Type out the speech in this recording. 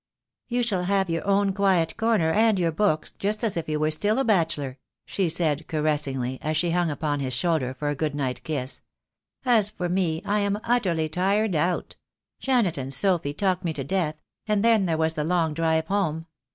"You shall have your own quiet corner and your books, just as if you were still a bachelor," she said, caressingly, as she hung upon his shoulder for a good night kiss. "As for me, I am utterly tired out. Janet and Sophy talked me to death; and then there was the long drive home.